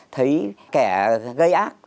thấy kẻ gây ác